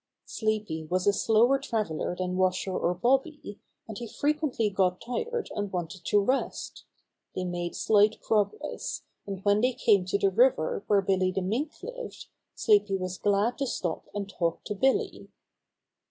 Sleepy was a slower traveler than Washer or Bobby, and he frequently got tired and wanted to rest. They made slight progress, and when they came to the river where Billy the Mink lived Sleepy was glad to stop and talk to Billy.